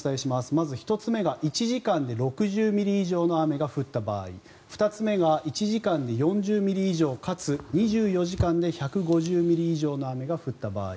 まず１つ目が１時間で６０ミリ以上の雨が降った場合２つ目が１時間で４０ミリ以上かつ、２４時間で１５０ミリ以上の雨が降った場合。